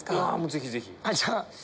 ぜひぜひ。